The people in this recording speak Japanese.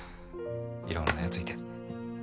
いろんなやついて。